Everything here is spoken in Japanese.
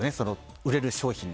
売れる商品の。